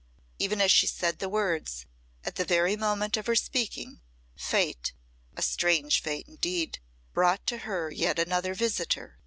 Even as she said the words, at the very moment of her speaking, Fate a strange Fate indeed brought to her yet another visitor.